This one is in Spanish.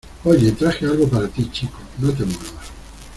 Oye, traje algo para ti , chico. ¡ No te muevas!